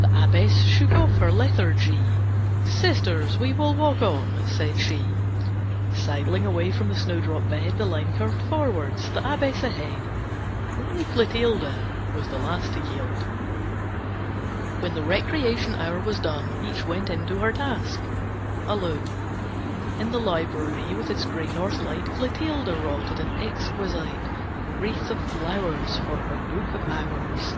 The Abbess shook off her lethargy. "Sisters, we will walk on," said she. Sidling away from the snowdrop bed, The line curved forwards, the Abbess ahead. Only Clotilde Was the last to yield. When the recreation hour was done Each went in to her task. Alone In the library, with its great north light, Clotilde wrought at an exquisite Wreath of flowers For her Book of Hours.